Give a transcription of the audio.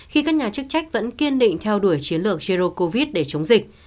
khi các nhà chức trách vẫn kiên định theo đuổi chiến lược jero covid để chống dịch